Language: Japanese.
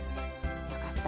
よかった。